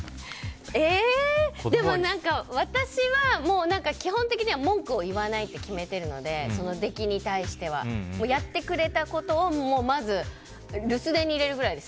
でも、私は基本的には文句を言わないって決めているので出来に対しては。やってくれたことをまず留守電に入れるくらいです。